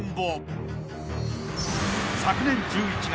［昨年１１月］